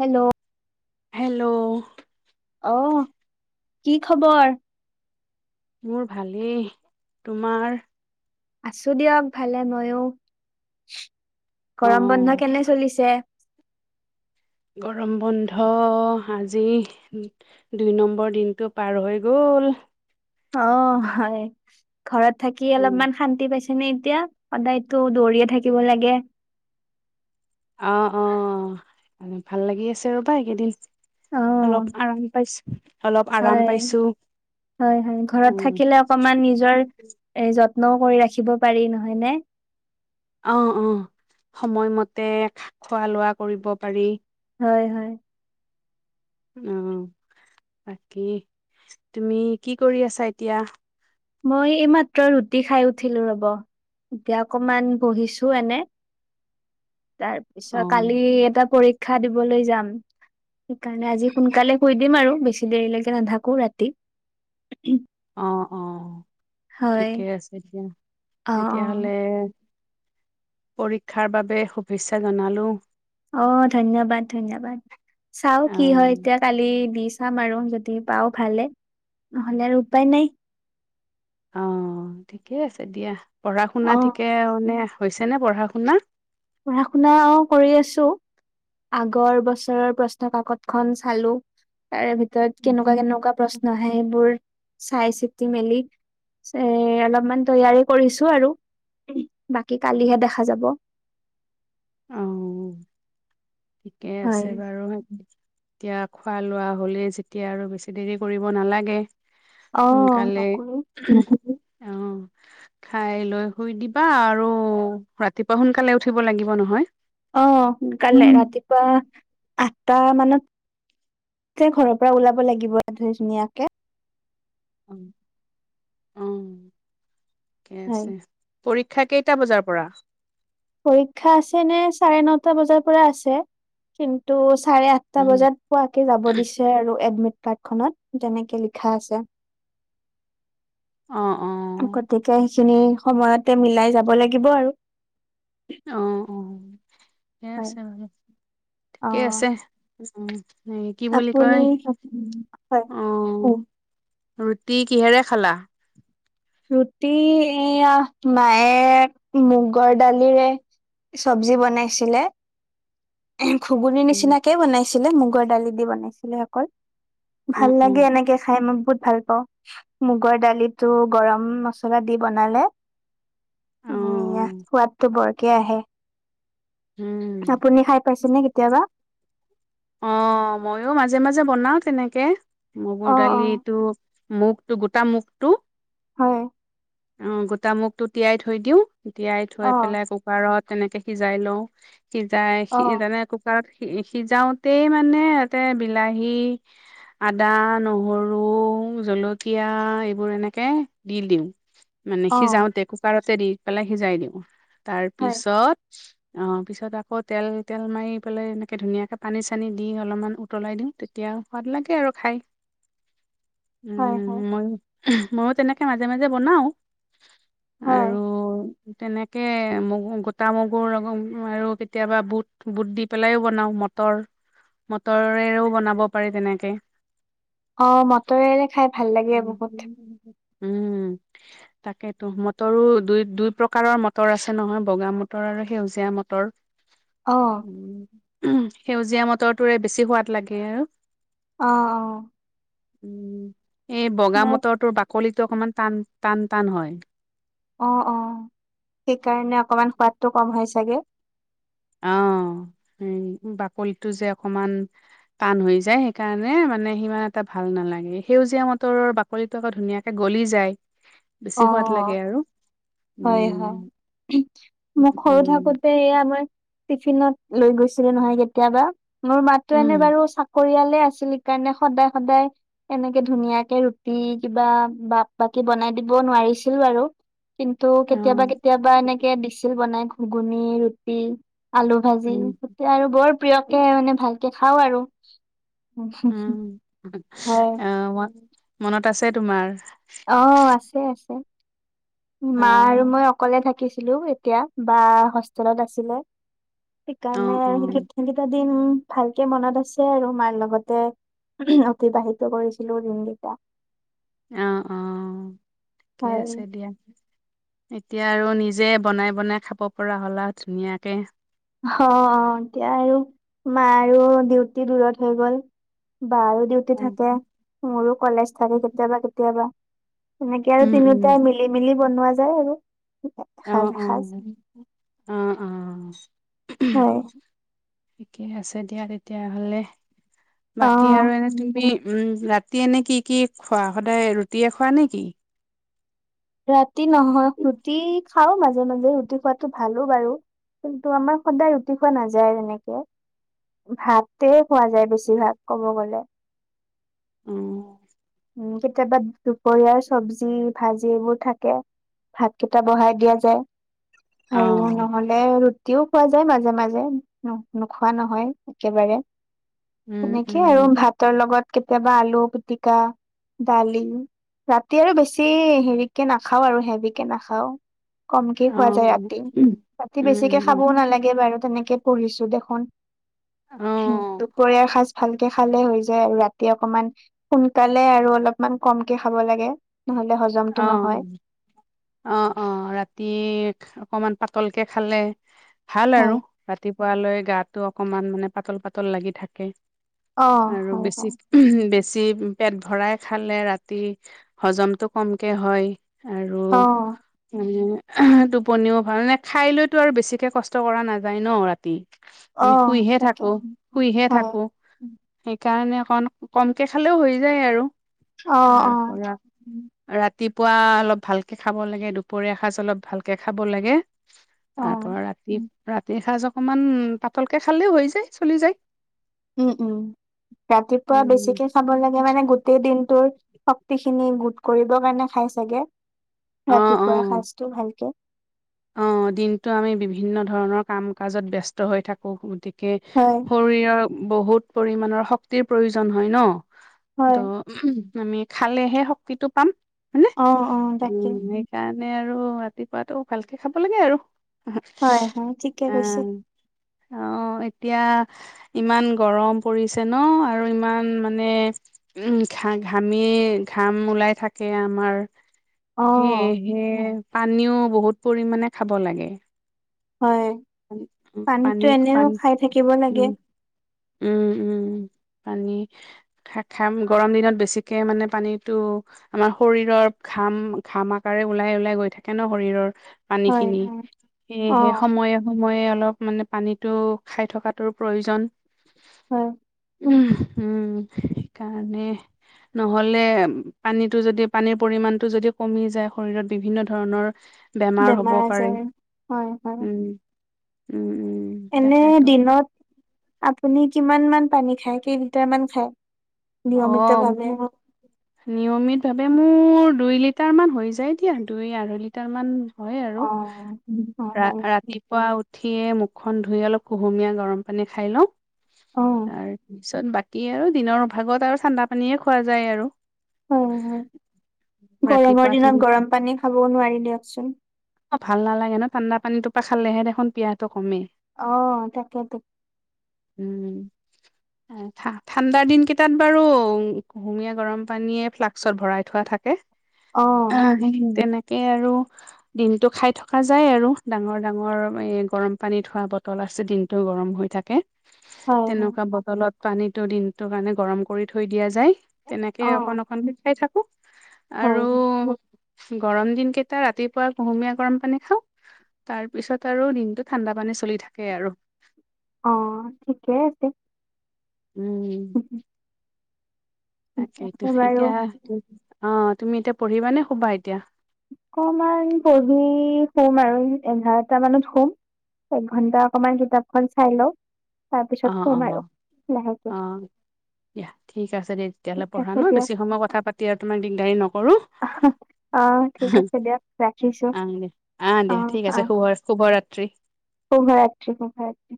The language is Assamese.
হেল্ল' হেল্ল' অ' কি খবৰ? মোৰ ভালেই, তোমাৰ? আছোঁ দিয়ক ভালে। ম‌ইয়ো অ গৰম বন্ধ কেনে চলিছে? গৰম বন্ধ আজি দুই নম্বৰ দিনটো পাৰ হৈ গ'ল। অ' হয়, ঘৰত থাকি অলপমান শান্তি পাইছে নে এতিয়া সদায়টো দৌৰিয়ে থাকিব লাগে। অ' অ' ভাল লাগি আছে ৰ'বা এইকেইদিন। অ অলপ আৰাম পাইছোঁ। হয়, হয়, হয়, ঘৰত উম, থাকিলে অকমান নিজৰ এই যত্নও কৰি ৰাখিব পাৰি নহয় নে? অ' অ' সময়মতে খোৱা লোৱা কৰিব পাৰি। হয়, হয়। অ' বাকী তুমি কৰি আছা এতিয়া? মই এইমাত্ৰ ৰুটি খাই উঠিলোঁ ৰ'ব। এতিয়া অকমান বহিছোঁ এনে, তাৰ অ পিছত কালি এটা পৰীক্ষা দিবলৈ যাম। সেই কাৰণে আজি সোনকালে শুই দিম আৰু বেছি দেৰিলৈকে নাথাকোঁ ৰাতি। অ' অ' হয় ঠিকে আছে দিয়া। অ অ তেতিয়া হ'লে পৰীক্ষাৰ বাবে শুভেচ্ছা জনালোঁ। অ' ধন্যবাদ, ধন্যবাদ। চাওঁ কি হয়, আহ এতিয়া কালি দি চাম আৰু যদি পাওঁ ভালে। নহ'লে আৰু উপায় নাই। অ' ঠিকে আছে দিয়া। পঢ়া শুনা অ ঠিকে মানে হৈছে নে পঢ়া শুনা। পঢ়া শুনা কৰি আছোঁ। আগৰ বছৰৰ প্ৰশ্ন কাকত খন চালোঁ। তাৰে ভিতৰত কেনেকুৱা কেনেকুৱা প্ৰশ্ন আহে সেইবোৰ চাই চিতি মেলি পিছে অলপমান তৈয়াৰী কৰিছোঁ আৰু বাকী কালিহে দেখা যাব। অহ' ঠিকে হয় আছে বাৰু। এতিয়া খোৱা লোৱা হ'লে যেতিয়া বেছি দেৰি কৰিব নালাগে। অ সোনকালে‌ নকৰো অ' খাই লৈ শুই দিবা আৰু ৰাতিপুৱা সোনকালে উঠিব লাগিব নহয়। অ, দুকালে উম ৰাতিপুৱা আঠটা মানত। যে ঘৰৰ পৰা ওলাব লাগিব ধুই ধুনীয়াকে। অ- অ ঠিকে হয় আছে। পৰীক্ষা কেইটা বজাৰ পৰা? পৰীক্ষা আছে নে, চাৰে নটা বজাৰ পৰা আছে কিন্তু চাৰে আঠ আঠটা উম বজাত পোৱাকে যাব দিছে আৰু। এডমিট কাৰ্ড খনত যেনেকে লিখা আছে। অ, অ। গতিকে সেইখিনি সময়তে মিলাই যাব লাগিব আৰু। অ- অ ঠিকে হয় আছে বাৰু। অ ঠিকেই আছে, উম। এই কি বুলি আপুনি কয়। হয় অ, ৰুটি কিহেৰে খালা? ৰুটি এয়া, মায়ে মুগৰ দালিৰে চবজি বনাইছিলে। ঘুগনি অ নিচিনাকে বনাইছিলে, মুগৰ দালি বনাইছিলে অকল। অ ভাল লাগে এনেকে খাই, মই বহুত ভাল পাওঁ। মুগৰ দালিটো গৰম মছলা দি বনালে। অ উম, সোৱাদটো বৰকে আহে। উম আপুনি খাই পাইছে নে কেতিয়াবা? অ, মইয়ো মাজে- মাজে বনাও তেনেকে। মগুৰ অ অ দালিটো মুগটো, গোটা মুগটো। হয়। অ, গোটা মগুটো তিয়াই থৈ দিও, তিয়াই থৈ অ পেলাই কুকাৰত তেনেকে সিজাই লওঁ। সিজাই অ সি তেনে আকৌ কুকাৰত সিজাওতেই মানে তাতে বিলাহী আদা, নহৰু, জলকীয়া এইবোৰ এনেকে দি দিওঁ। মানে অ সিজাওতে কুকাৰতে দি পেলাই সিজাই দিওঁ। তাৰ হয় পিছত অ, পিছত আকৌ তেল- তেল মাৰি পেলাই এনেকে ধুনীয়াকে পানী- চানী দি অলপমান উতলাই দিওঁ। তেতিয়া সোৱাদ লাগে আৰু খাই। হয় উম, হয় ময়ো- ময়ো তেনেকে মাজে- মাজে বনাও। হয় আৰু তেনেকে মগু, গোটা মগুৰ লগত আৰু কেতিয়াবা বুট- বুট দি পেলাই ও বনাওঁ, মটৰ মটৰে দি বনাব পাৰোঁ, তেনেকে। অ, মটৰেৰে খাই ভাল লাগে বহুত। উম। তাকেইতো মটৰো দুই- দুই প্ৰকাৰৰ মটৰ আছে নহয়, বগা মটৰ আৰু সেউজীয়া মটৰ। অ মটৰ, উম, সেউজীয়া মটৰটোৰে বেছি সোৱাদ লাগে আৰু। অ- অ। উম, এই বগা মোক মটৰটোৰ বাকলিতো অকমান টান- টান- টান হয়। অ, অ, সেইকাৰণে অকমান সোৱাদটো কম হয় চাগে? অ, বাকলিটো যে অকমান ঠান হৈ যায়, সেইকাৰণে মানে সিমান এটা ভাল নালাগে। সেউজীয়া মটৰৰ বাক বাকলিটো আকৌ ধুনীয়াকে গলি যায়, বেছি অ সোৱাদ লাগে আৰু। হয়, হয়, উম মোক সৰু উম থাকোঁতে এইয়া টিফিনত লৈ গৈছিলে নহয় কেতিয়াবা। মোৰ মাতো এনে উম বাৰু চাকৰিয়ালে আছিল। মোৰ কাৰণে সদায়- সদায় এনেকে ধুনীয়াকে ৰুটি কিবা বাপ বাকি বনাই দিব নোৱাৰিছিলোঁ আৰু কিন্তু উম অ কেতিয়াবা কেতিয়াবা এনেকে দিছিল বনাই- ঘুগুনি, ৰুটি, আলু ভাজি উম এতিয়া আৰু বৰ প্ৰিয়কে মানে ভালকে খাওঁ আৰু। [unintelligible] হয়। অঁ' মন-মনত আছে তোমাৰ। অঁ' আছে আছে। অ', মা আৰু মই অকলে থাকিছিলোঁ এতিয়া বা হোষ্টেলত আছিলে। অ', অ', সেইকাৰণে [unintelligible] দিন ভালকে মনত আছে আৰু মাৰ লগতে- অতিবাহিত কৰিছিলো দিনকেইটা। অঁ অঁ' ঠিকে হয়। আছে দিয়া। এতিয়া আৰু নিজে বনাই বনাই খাব পৰা হ'লা ধুনীয়াকে। অঁহ' অঁ' এতিয়া আৰু মাৰো ডিউটি দূৰত হৈ গ'ল। বাৰো ডিউটি ডিউটি উম, থাকে, মোৰো কলেজ থাকে কেতিয়াবা কেতিয়াবা, সেনেকে আৰু উম, তিনিওটাই মিলি মিলি মিলি বনোৱা যায় আৰু এখাজ এখাজ। অঁ' অঁ'। হয়। ঠিকে আছে দিয়া তেতিয়া হ'লে, বাকী আৰু অ'। এনে তুমি উমঁ' ৰা তি এনে কি কি খোৱা সদায় ৰুটিয়ে খোৱা নে কি? ৰাতি নহয়, ৰুটি- খাওঁ মাজে- মাজে ৰুটি খোৱাটো ভালো বাৰু কিন্তু আমাৰ সদায় ৰুটি খোৱা নাযায় তেনেকে। ভাতে খোৱা যায় বেছিভাগ ক'ব গ'লে। উম। উমঁ' কেতিয়াবা দুপৰীয়াৰ চবজি ভাজি এইবোৰ থাকে। ভাতকেইটা বঢ়াই দিয়া যে টাইমো অ', নহ'ল। এ ৰুটিও খোৱা যায় মাজে মাজে, নোখোৱা নহয় একেবাৰে। উম, এনেকে আৰু উম, ভাতৰ লগত কেতিয়াবা আলু-পিতিকা। দালিও, ৰাতি আৰু বেছি হেৰিকে নাখাও আৰু হেভিকে নাখাও। কমকে অ', খোৱা যায় উম, ৰাতি। উম, ৰাতি উম, বেছিকে খাবও উম নালাগে বাৰু তেনেকে- পঢ়িছোঁ দেখোন অ', দুপৰীয়াৰ সাঁজ ভালকে খালে হৈ যায় আৰু ৰাতি অকমান সোনকা সোনকালে আৰু অলপমান কমকে খাব লাগে নহ'লে হজম- অঁ' অঁ' অঁ' ৰাতি অকমান পাতলকে খালে ভাল আৰু হয় ৰাতিপুৱা লৈ গাটো অকমান মানে পাতল পাতল লাগি থাকে। অ আৰু হয় বেছি হয় উমঁ' বেছি পেট ভৰাই খালে ৰাতি হজমটো কমকে হয়। আৰু অঁ। টোপনিও ভাল নে, খাই লৈতো আৰু বেছিকে কষ্ট কৰা নাযায় ন' ৰাতি। অ আমি শুইহে তাকে থাকো, শুইহে হয় থাকো। সেইকাৰণে অকণ কমকে খালেও হৈ যায় আৰু অ তাৰ অ পৰা- ৰাতিপুৱা অলপ ভালকে খাব লাগে, দুপৰীয়া এসাজ অলপ ভালকে খাব লাগে। অ তাৰ পৰা ৰাতি ৰাতিৰ সাঁজ অকনমান পাতলকে খালেও হৈ যায় চলি যায়। উমঁ' উমঁ' ৰাতিপুৱা উম, বেছিকে খাব লাগে মানে গোটেই দিনটোৰ শ গোটেইখিনি গোট কৰিব কাৰণে খাই চাগে, অ অ ৰাতিপুৱা সাজটো ভালকে। অ', দিনটো আমি বিভিন্ন ধৰণৰ কাম-কাজত ব্যস্ত হৈ থাকো গতিকে। হয়। শৰীৰৰ বহুত পৰিমণৰ শক্তিৰ প্ৰয়োজন হয় ন, হয় তো উম, আমি খালেহে শক্তিটো পাম হয়নে, অ অ তাকে উম। সেইকাৰণে আৰু ৰাতিপুৱাটো ভালকে খাব লাগে আৰু। হয়, হয়, ঠিকে অ কৈছে। অ', এতিয়া ইমান গৰম পৰিছে ন আৰু ইমান মানে উম, ঘা- ঘামি ঘাম ওলাই থাকে আমাৰ। অ সেয়েহে পানীও বহুত পৰিমাণে খাব‌ লাগে। হয়, পানীতো পানী এনেও পানী খাই থাকিব লাগে। উম উম, উম, পানী। খা- খাম, গৰম দিনত বেছিকে মানে পানীটো আমাৰ শৰীৰত ঘাম, ঘাম আকাৰে ওলাই ওলাই গৈ থাকে ন শৰীৰৰ। পানী হয় খিনি, হয় অ সেয়েহে সময়ত সময়ে অলপ মানে পানীটো খাই থকাটোৰ প্ৰয়োজন। হয় উম, উম, সেইকাৰণে নহ'লে পানীটো যদি, পানীৰ পৰিমণটো যদি কমি যায়, শৰীৰত বিভিন্ন ধৰণৰ বেমাৰ হ'ব পাৰে। হয় হয় উম, উম, উম। এনে তাকেতো দিনত আপুনি কিমান মান পানী খায় কেই লিটাৰ মান খায়? অ, নিয়মিত ভাৱে মোৰ নিয়মিতভাৱে মোৰ দুই লিটাৰমান হৈ যায় দিয়া, দুই আঢ়ৈ লিটাৰমান হয় আৰু অ উম। অ অ ৰা-ৰাতিপুৱা উঠিয়ে মুখখন ধুই অলপ কুহুমীয়া গৰম পানী খাই লওঁ। অ তাৰপিছত বাকী আৰু দিনৰ ভাগত আৰু ঠাণ্ডা পানীয়ে খোৱা যায় আৰু। হয়, হয়, গৰমৰ ৰাতিপুৱা খিনি দিনত গৰম পানী খাবও নোৱাৰি দিয়কচোন। অ', ভাল নালাগে ন ঠাণ্ডা পানীতো পা খালেহে দেখোন পিয়াহটো কমে। অ', তাকে তা উম, আ। ঠা-ঠাণ্ডাৰ দিন কেইটাত বাৰু কুহুমীয়া গৰম পানীয়ে ফ্লাক্সত ভৰাই থোৱা থাকে। অ আহ, তেনেকেই আৰু দিনটো খাই থকা যায় আৰু ডাঙৰ, ডাঙৰ এই গৰম পানীত থোৱা বটল আছে, দিনটো গৰম হৈ থাকে। হয় হয় তেনেকুৱা বটলত পানীটো দিনটোৰ কাৰণে গৰম কৰি থৈ দিয়া যায়। তেনেকে অ অকন অকনকে খাই থাকো আৰু হয় হয় গৰম দিন কেইটা ৰাতি পুৱাই কুহুমীয়া গৰম পানী খাওঁ, তাৰ পিছত আৰু দিনটো ঠাণ্ডা পানী চলি থাকে আৰু। অহ, ঠিকে আছে। উম। তাকেইতো, বাৰু এতিয়া অহ, তুমি এতিয়া পঢ়িবা নে শুবা এতিয়া? অকমান পঢ়ি শুম আৰু এঘাৰটা মানত সোম। এক ঘণ্টা অকমান কিতাপখন চাই লও। অ' ছত সোম অ' আৰু। লাহেকে অ', দিয়া ঠিক আছে দে তেতিয়াহ'লে ঠিক পঢ়া আছে ন, দিয়ক বেছি সময় কথা পাত তেতিয়া তোমাৰ দিগদাৰী নকৰোঁ। আহ। অহ ঠিক আছে দিয়ক ৰাখিছো। আহ দিয়া আহ দিয়া ঠিক অহ আছে অ শুভ শুভৰাত্ৰি। শুভৰাত্ৰি শুভৰাত্ৰি।